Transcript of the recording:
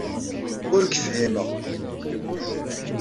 Ur k-fhimeɣ.